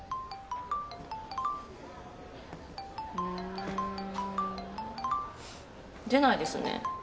うーん出ないですね。